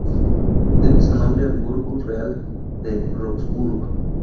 Debe su nombre al burgo real de Roxburgh.